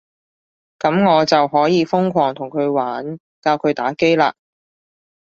噉我就可以瘋狂同佢玩，教佢打機喇